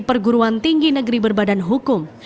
perguruan tinggi negeri berbadan hukum